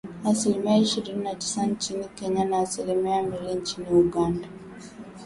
Asilimia ishirini na tisa nchini Kenya na asilimia mbili nchini Uganda